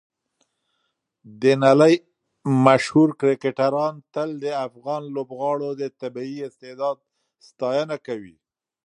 د نړۍ مشهور کرکټران تل د افغان لوبغاړو د طبیعي استعداد ستاینه کوي.